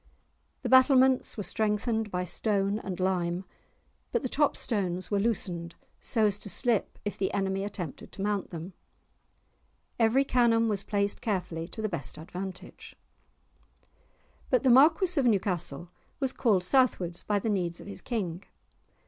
The battlements were strengthened by stone and lime, but the top stones were loosened so as to slip if the enemy attempted to mount them. Every cannon was placed carefully, to the best advantage. [Illustration: The Storming of Newcastle] But the Marquis of Newcastle was called southward by the needs of his King.